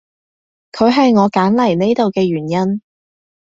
佢係我揀嚟呢度嘅原因